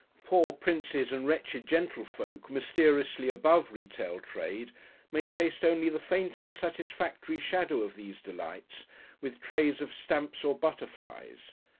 Poor princes and wretched gentlefolk mysteriously above retail trade, may taste only the faint unsatisfactory shadow of these delights with trays of stamps or butterflies.